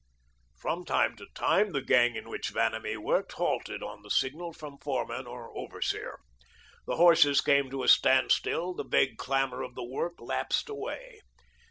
From time to time the gang in which Vanamee worked halted on the signal from foreman or overseer. The horses came to a standstill, the vague clamour of the work lapsed away.